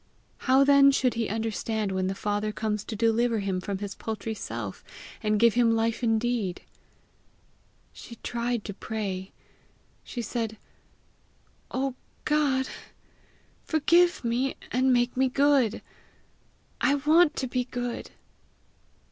How then should he understand when the father comes to deliver him from his paltry self, and give him life indeed! She tried to pray. She said, "Oh G od! forgive me, and make me good. I want to be good!"